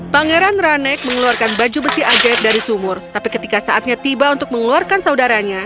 pangeran ranek mengeluarkan baju besi ajaib dari sumur tapi ketika saatnya tiba untuk mengeluarkan saudaranya